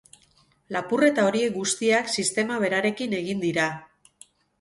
Lapurreta horiek guztiak sistema berarekin egin dira.